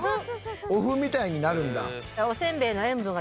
お麩みたいになるんだ。